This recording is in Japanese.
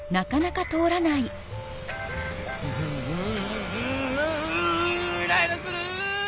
ううイライラする！